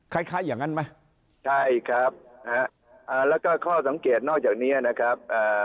คล้ายอย่างนั้นไหมใช่ครับแล้วก็ข้อสังเกตนอกจากเนี้ยนะครับ